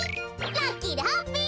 ラッキーでハッピー！